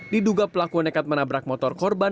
diduga pelaku nekat menabrak motor korban